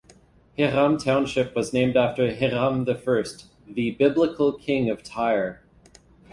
Hiram Township was named after Hiram I, the biblical king of Tyre.